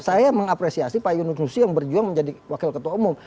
saya mengapresiasi pak yunus nusi yang berjuang menjadi wakil ketua umum